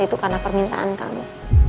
itu karena permintaan kamu